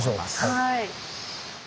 はい。